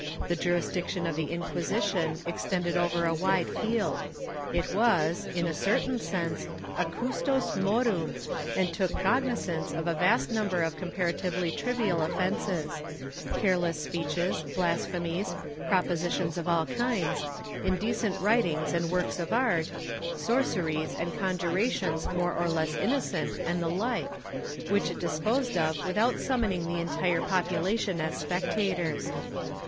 The jurisdiction of the Inqui sition extended over a wide field; it was, in a certain sense, a custos morum and took cognizance of a vast number of compara tively trivial offences — careless speeches, blasphemies, propositions of all kinds, indecent writings and works of art, sorceries and con jurations more or less innocent and the like — which it disposed of without summoning the entire population as spectators.